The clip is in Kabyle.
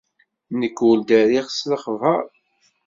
Nekk, ur d-rriɣ s lexber.